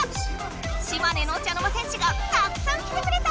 島根の茶の間戦士がたくさん来てくれた！